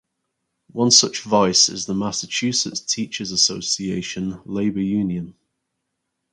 One such voice is the Massachusetts Teachers Association labor union.